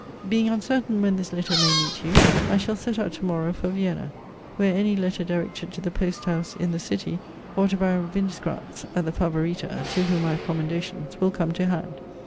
Being uncertain when this letter may meet you, I shall set out to morrow for Vienna; where any letter directed to the post house in the city, or to Baron Windisgrat's (at the Favorita) to whom I have commendations, will come to hand.